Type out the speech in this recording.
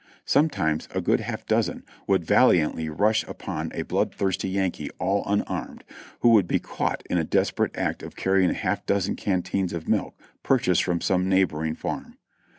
Sometimes a good half dozen would valiantly rush upon a blood thirsty Yankee all unarmed, who would be caught in the desperate act of carrying a half dozen canteens of milk purchased from some neighboring farm.